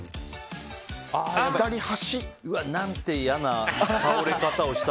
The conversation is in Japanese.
何て嫌な倒れ方をした。